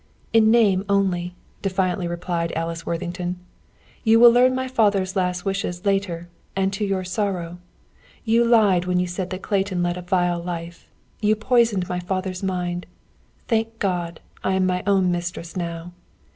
"In name only," defiantly replied Alice Worthington. "You will learn my father's last wishes later, and to your sorrow. You lied when you said that Clayton led a vile life. You poisoned my father's mind. Thank God! I am my own mistress now.